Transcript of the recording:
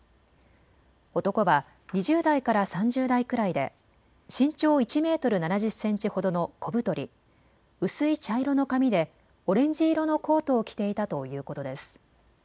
男は２０代から３０代くらいで身長１メートル７０センチほどの小太り、薄い茶色の髪でオレンジ色のコートを着ていたということです。